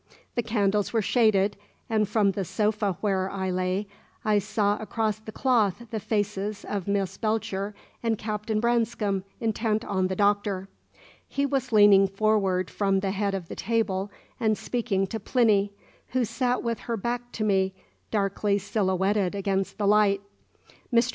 The candles were shaded, and from the sofa where I lay I saw across the cloth the faces of Miss Belcher and Captain Branscome intent on the Doctor. He was leaning forward from the head of the table and speaking to Plinny, who sat with her back to me, darkly silhouetted against the light. Mr.